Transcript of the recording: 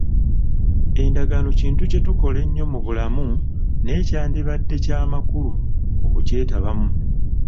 Endagaano kintu kye tukola ennyo mu bulamu naye kyandibaddenga kya makulu okukyetabamu.